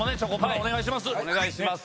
お願いします。